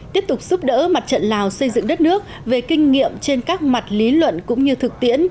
tiếp tục giúp đỡ mặt trận lào xây dựng đất nước về kinh nghiệm trên các mặt lý luận cũng như thực tiễn